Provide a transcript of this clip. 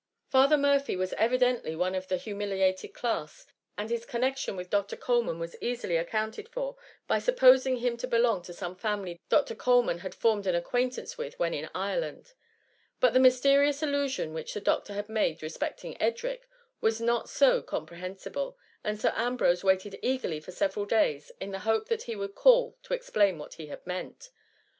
Fa ther Murphy was evidently one of this humi* liated class, and his connexion with Dr. Cole man was easily accounted for, by supposing him to belong to some family Dr. Coleman had formed an acquaintance with^ when in Ireland^ but the mysterious allusion which the Doctor had made respecting Edric, was not so compre hensible, and Sir Ambrose waited eagerly for several days, in the hope that he would call to explain what he had meant.